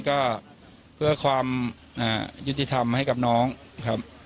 ก็เพื่อความยุติธรรมให้กับน้องครับ